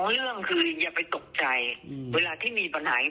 ต่อเรื่องคืออย่าไปตกใจเวลาที่มีปัญหาอย่างนี้